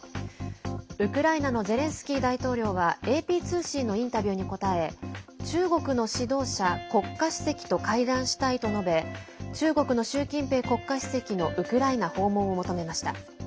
ウクライナのゼレンスキー大統領はＡＰ通信のインタビューに答え中国の指導者国家主席と会談したいと述べ中国の習近平国家主席のウクライナ訪問を求めました。